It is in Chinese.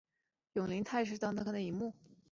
永昌陵是宋太祖赵匡胤的陵墓。